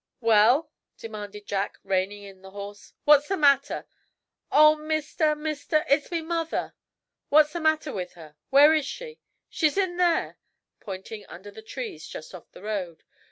"Well," demanded Jack, reining in the horse, "what's the matter?" "Oh, mister, mister! It's me mother!" "What's the matter with her? Where is she?" "She's in there," pointing under the trees just off the road.